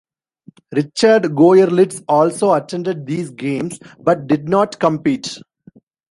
Richard Goerlitz also attended these games, but did not compete.